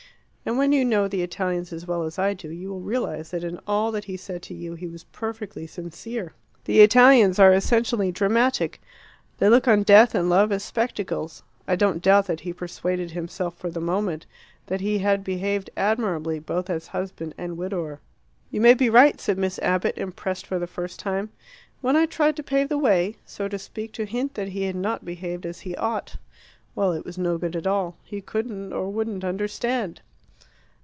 And when you know the Italians as well as I do, you will realize that in all that he said to you he was perfectly sincere. The Italians are essentially dramatic; they look on death and love as spectacles. I don't doubt that he persuaded himself, for the moment, that he had behaved admirably, both as husband and widower." "You may be right," said Miss Abbott, impressed for the first time. "When I tried to pave the way, so to speak to hint that he had not behaved as he ought well, it was no good at all. He couldn't or wouldn't understand."